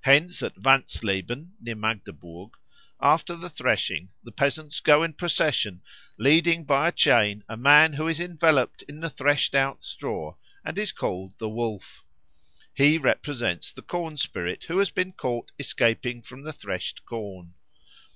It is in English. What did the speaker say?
Hence at Wanzleben, near Magdeburg, after the threshing the peasants go in procession, leading by a chain a man who is enveloped in the threshed out straw and is called the Wolf. He represents the corn spirit who has been caught escaping from the threshed corn.